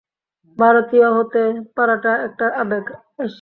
ভারতীয় হতে পারাটা একটা আবেগ।